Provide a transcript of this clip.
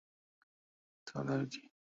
তাহলে আর কী।